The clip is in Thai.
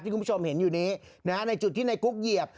คุณผู้ชมเห็นอยู่นี้ในจุดที่ในกุ๊กเหยียบ